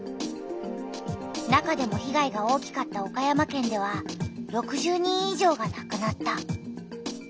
中でも被害が大きかった岡山県では６０人い上がなくなった。